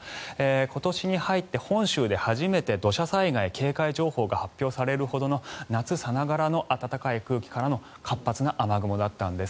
今年に入って本州で初めて土砂災害警戒情報が発表されるほどの夏さながらの暖かい空気からの活発な雨雲だったんです。